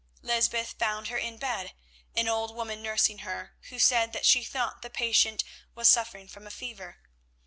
Lysbeth found her in bed, an old woman nursing her, who said that she thought the patient was suffering from a fever.